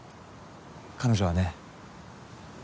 彼女はね